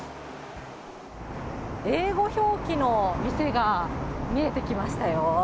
英語表記の店が見えてきましたよ。